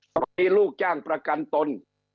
ตอนนี้ลูกจ้างประกันตน